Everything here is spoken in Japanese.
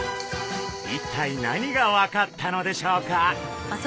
一体何が分かったのでしょうか！？